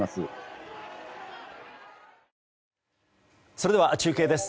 それでは中継です。